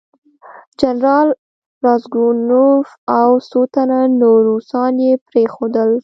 جنرال راسګونوف او څو تنه نور روسان یې پرېښودل.